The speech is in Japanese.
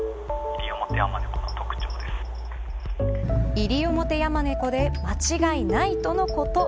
イリオモテヤマネコで間違いないとのこと。